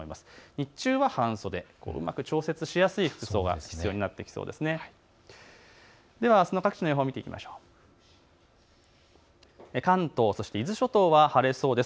日中は半袖、うまく調節しやすい服装が必要になってきそうです。